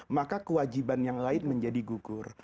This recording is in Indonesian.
maka kewajiban yang lain menjadi gugur